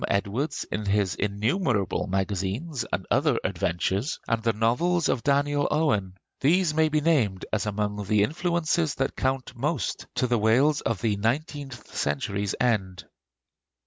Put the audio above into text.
Edwards in his innumerable magazines and other adventures; and the novels of Daniel Owen, these may be named as among the influences that count most to the Wales of the nineteenth century's end.